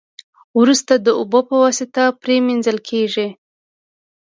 وروسته د اوبو په واسطه پری مینځل کیږي.